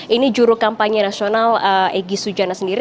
ini juru kampanye nasional egy sujana sendiri